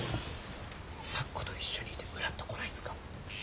咲子と一緒にいてムラッと来ないんですか？